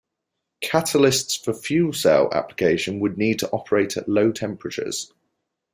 Catalysts for fuel cell application would need to operate at low temperatures.